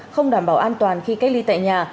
không đảm bảo an toàn khi cách ly tại nhà